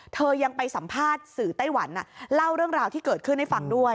ยังไปสัมภาษณ์สื่อไต้หวันเล่าเรื่องราวที่เกิดขึ้นให้ฟังด้วย